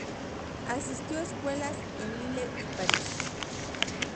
Asistió a escuelas en Lille y París.